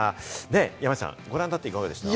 山ちゃん、ご覧になっていかがでしたか？